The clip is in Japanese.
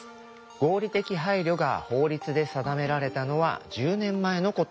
合理的配慮が法律で定められたのは１０年前のこと。